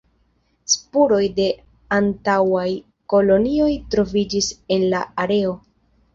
Spuroj de antaŭaj kolonioj troviĝis en la areo.